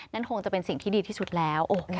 นั่นคงจะเป็นสิ่งที่ดีที่สุดแล้ว